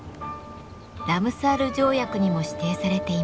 ラムサール条約にも指定されています。